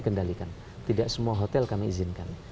kendalikan tidak semua hotel kami izinkan